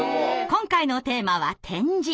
今回のテーマは「点字」。